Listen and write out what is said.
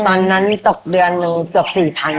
ตอนนั้นตกเดือนนึงเท่าผม๔๐๐๐